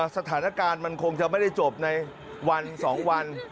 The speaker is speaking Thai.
สถานการณ์มันคงจะไม่ได้จบในวัน๒วัน